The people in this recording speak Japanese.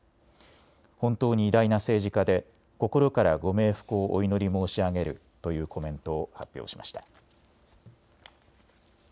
本当に偉大な政治家で心からご冥福をお祈り申し上げるというコメントを発表しました。